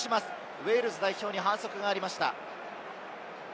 ウェールズ代表に反則がありました。